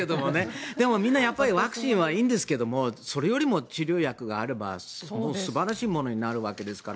でも、ワクチンはいいんですけどもそれよりも治療薬があれば素晴らしいものになるわけですから。